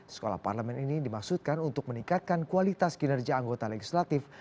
sekolah parlemen ini dimaksudkan untuk meningkatkan kualitas kinerja anggota legislatif